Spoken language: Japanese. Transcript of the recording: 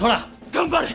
頑張れ！